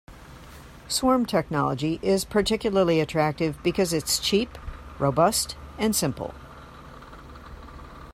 Swarm technology is particularly attractive because it is cheap, robust, and simple.